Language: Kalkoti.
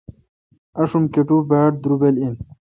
آشوم کٹو باڑدروبل این۔